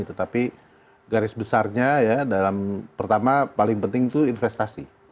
tetapi garis besarnya ya dalam pertama paling penting itu investasi